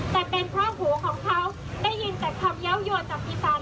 แต่เป็นเพราะหูของเขาได้ยินแต่คำเยาวโยนจากอีสาน